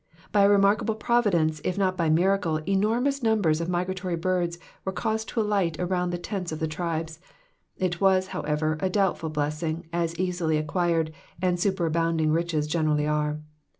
By a remarkable providence, if not by miracle, enormous numbers of migratory birds were caused to alight arouud the tents of the tribes. It was, however, a doubtful blessing, as easily acquired and superabounding riches generally are.